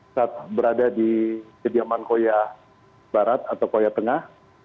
saat berada di kediaman koya barat atau koya tengah